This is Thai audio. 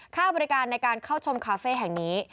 ค่าบริการในการเข้าชมคาเฟ่แห่งนี้